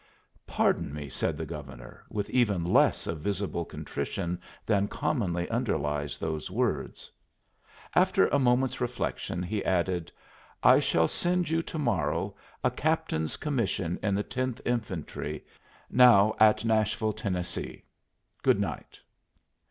"Pardon me," said the Governor, with even less of visible contrition than commonly underlies those words. After a moment's reflection he added: "I shall send you to morrow a captain's commission in the Tenth Infantry, now at Nashville, Tennessee. Good night."